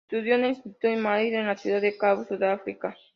Estudió en el Instituto Maitland en Ciudad de Cabo, Sudáfrica.